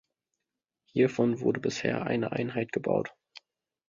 Hiervon wurde bisher eine Einheit gebaut.